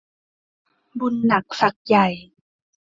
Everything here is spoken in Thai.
บุญหนักศักดิ์ใหญ่